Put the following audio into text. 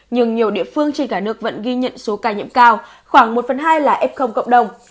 nhưng nhiều địa phương trên cả nước vẫn ghi nhận số ca nhiễm cao khoảng một phần hai là f cộng đồng